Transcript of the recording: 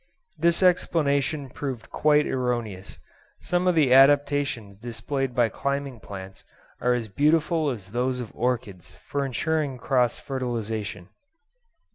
This explanation proved quite erroneous. Some of the adaptations displayed by Climbing Plants are as beautiful as those of Orchids for ensuring cross fertilisation.